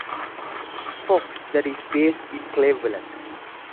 Fox that is based in Cleveland.